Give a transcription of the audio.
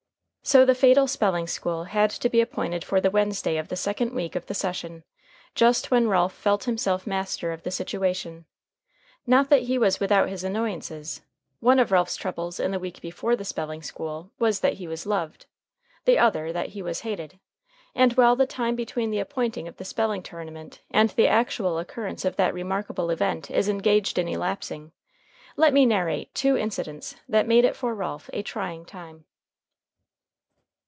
So the fatal spelling school had to be appointed for the Wednesday of the second week of the session, just when Ralph felt himself master of the situation. Not that he was without his annoyances. One of Ralph's troubles in the week before the spelling school was that he was loved. The other that he was hated. And while the time between the appointing of the spelling tournament and the actual occurrence of that remarkable event is engaged in elapsing, let me narrate two incidents that made it for Ralph a trying time.